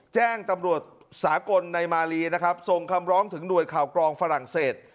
แจ้งตำรวจสากลในมาลีนะครับส่งคำร้องถึงหน่วยข่าวกรองฝรั่งเศส